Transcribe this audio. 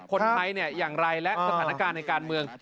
คนไทยอย่างไรและสถานการณ์ในการเมือง